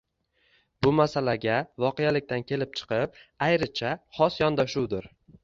Bu – masalaga voqelikdan kelib chiqib, ayricha, xos yondoshuvdir.